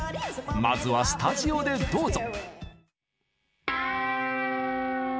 まずはスタジオでどうぞ。